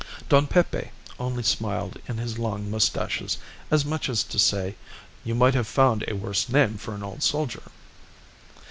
Don Pepe only smiled in his long moustaches, as much as to say, "You might have found a worse name for an old soldier."